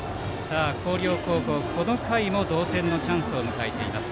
広陵高校、この回も同点のチャンスを迎えています。